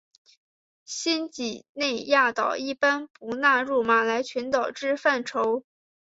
新几内亚岛一般不纳入马来群岛之范畴。